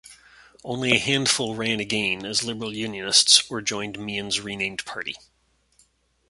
Only a handful ran again as Liberal-Unionists or joined Meighen's renamed party.